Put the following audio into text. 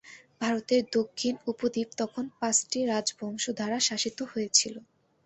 ভারতের দক্ষিণ উপদ্বীপ তখন পাঁচটি রাজবংশ দ্বারা শাসিত হয়েছিল।